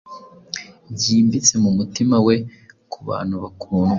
Byimbitse mumutima we kubantu bakundwa